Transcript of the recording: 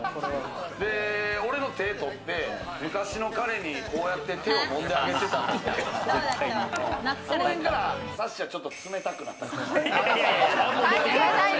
俺の手とって、昔の彼に、こうやって手を揉んであげてたのって、その辺からさっしーはちょっと冷たくなったかもしれん。